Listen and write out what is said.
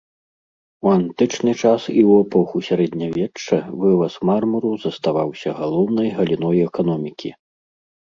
У антычны час і ў эпоху сярэднявечча вываз мармуру заставаўся галоўнай галіной эканомікі.